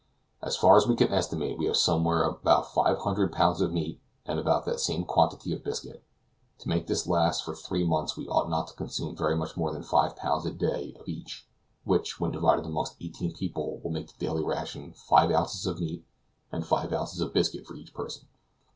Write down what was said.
As far as we can estimate we have somewhere about 500 lbs. of meat and about the same quantity of biscuit. To make this last for three months we ought not to consume very much more than 5 lbs. a day of each, which, when divided among eighteen people, will make the daily ration 5 oz. of meat and 5 oz. of biscuit for each person.